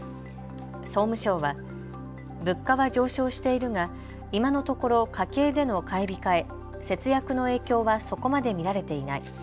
総務省は物価は上昇しているが今のところ家計での買い控え、節約の影響はそこまで見られていない。